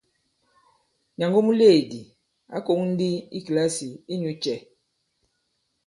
Nyàngo muleèdi ǎ kōŋ ndi i kìlasì inyū cɛ ?